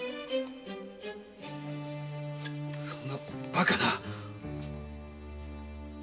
そんなバカな！